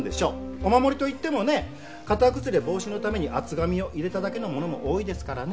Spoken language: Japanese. お守りと言ってもね形崩れ防止のために厚紙を入れただけのものも多いですからね。